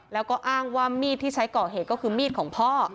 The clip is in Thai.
แล้วก็อ้างว่ามีดที่ใช้ก่อเหตุก็คือมีดของพ่อ